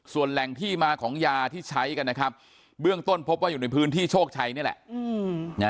ส่วนแหล่งที่มาของยาที่ใช้กันนะครับเบื้องต้นพบว่าอยู่ในพื้นที่โชคชัยนี่แหละ